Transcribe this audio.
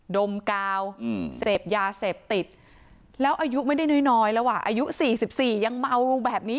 ดมกาวอืมเสพยาเสพติดแล้วอายุไม่ได้น้อยน้อยแล้วอ่ะอายุสี่สิบสี่ยังเมาแบบนี้